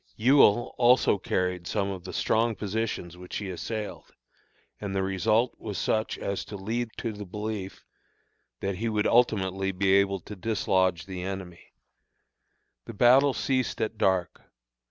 Ewell also carried some of the strong positions which he assailed; and the result was such as to lead to the belief that he would ultimately be able to dislodge the enemy. The battle ceased at dark.